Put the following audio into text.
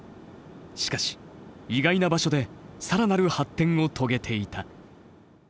しかし意外な場所で更なる発展を遂げていた。